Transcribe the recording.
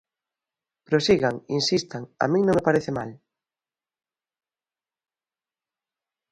Prosigan, insistan, a min non me parece mal.